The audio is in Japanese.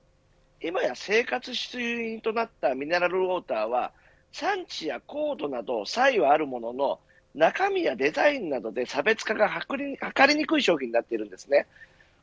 今や生活必需品となったミネラルウォーターは産地や硬度など差異はあるものの中身やデザインなどで差別化が測りにくい商品になっているんですね。